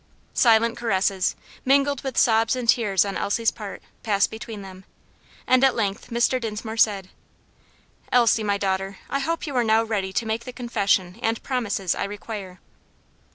Silent caresses, mingled with sobs and tears on Elsie's part, passed between them; and at length Mr. Dinsmore said, "Elsie, my daughter, I hope you are now ready to make the confession and promises I require?"